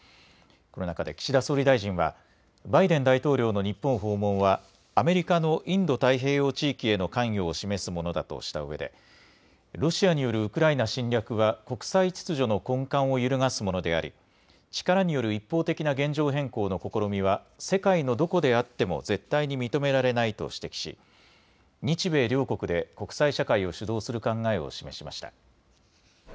この中で岸田総理大臣はバイデン大統領の日本訪問はアメリカのインド太平洋地域への関与を示すものだとしたうえでロシアによるウクライナ侵略は国際秩序の根幹を揺るがすものであり力による一方的な現状変更の試みは世界のどこであっても絶対に認められないと指摘し日米両国で国際社会を主導する考えを示しました。